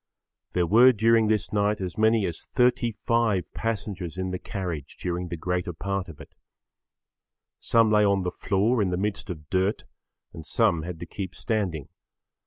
There were during this night as many as 35 passengers in the carriage during the greater part of it. Some lay on the floor in the midst of dirt and some had to keep standing.